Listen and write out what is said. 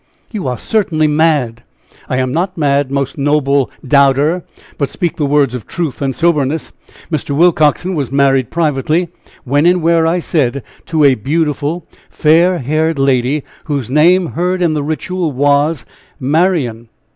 "You are certainly mad!" "I am not mad, most noble 'doubter,' but speak the words of truth and soberness. Mr. Willcoxen was married privately, when and where I said, to a beautiful, fair haired lady, whose name heard in the ritual was Marian.